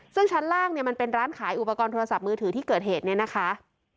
ซึ่งชั้นล่างเนี่ยมันเป็นร้านขายอุปกรณ์โทรศัพท์มือถือที่เกิดเหตุเนี่ยนะคะ